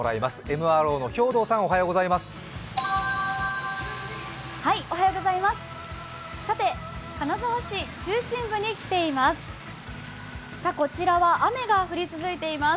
ＭＲＯの兵藤さん、おはようございます。